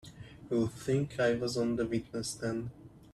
You'd think I was on the witness stand!